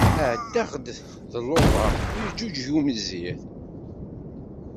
Ɛeddaɣ-d d luḍa, yeǧǧuǧeg umezzir.